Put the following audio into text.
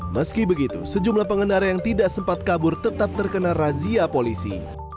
meski begitu sejumlah pengendara yang tidak sempat kabur tetap terkena razia polisi